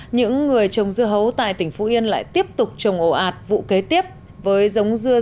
những người trồng dưa hấu tại tỉnh phú yên lại tiếp tục trồng ổ ạt vụ kế tiếp với giống dưa